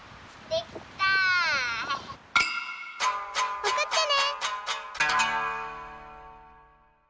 おくってね！